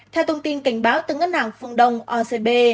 theo thông tin cảnh báo từ ngân hàng phương đông ocb